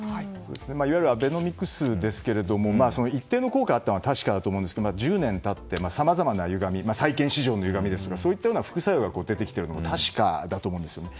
いわゆるアベノミクスですが一定の効果があったのは確かだと思うんですが１０年経ってさまざまなゆがみ債券市場のゆがみですとかそういったような副作用が出てきているのは確かだと思います。